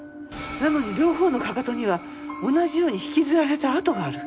なのに両方のかかとには同じように引きずられた痕がある。